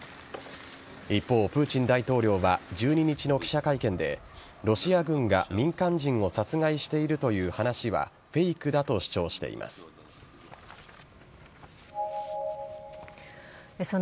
一方、プーチン大統領は１２日の記者会見でロシア軍が民間人を殺害しているという話はフェイクだと主張しています。